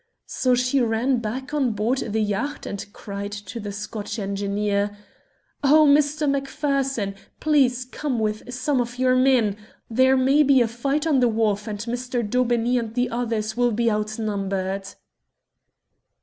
So she ran back on board the yacht and cried to the Scotch engineer "Oh, Mr. Macpherson! Please come with some of your men! There may be a fight on the wharf, and Mr. Daubeney and the others will be outnumbered!"